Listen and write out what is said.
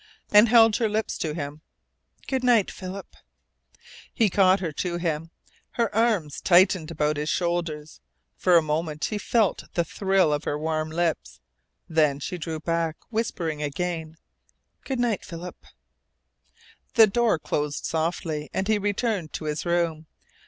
and held her lips to him. "Good night, Philip!" He caught her to him. Her arms tightened about his shoulders. For a moment he felt the thrill of her warm lips. Then she drew back, whispering again: "Good night, Philip!" The door closed softly, and he returned to his room.